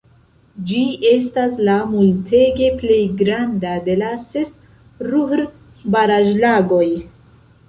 Ĝi estas la multege plej granda de la ses Ruhr-baraĵlagoj.